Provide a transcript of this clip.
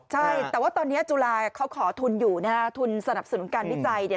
ใช่แต่ว่าตอนนี้จุฬาเขาขอทุนอยู่นะฮะทุนสนับสนุนการวิจัยเนี่ย